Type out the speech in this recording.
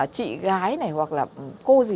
chị gái hoặc là cô gì